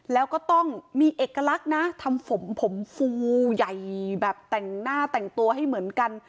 แล้วก็ต้องมีเอกลักษณ์นะทำผมผมฟูใหญ่แบบแต่งหน้าแต่งตัวให้เหมือนกัน